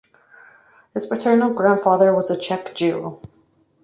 His paternal grandfather was a Czech Jew.